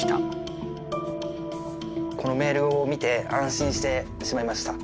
このメールを見て安心してしまいました。